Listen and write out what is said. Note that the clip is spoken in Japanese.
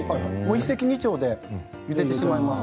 一石二鳥でゆでてしまいます。